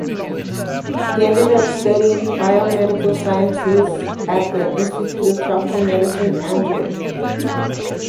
He ended up studying biomedical sciences at the Institute of Tropical Medicine Antwerp.